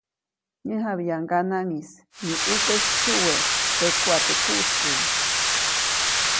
Nyäjabyaʼuŋ ŋganaʼŋ -¡mi ʼukä sytsyuwe, käkuʼa teʼ kuʼtkuʼy!‒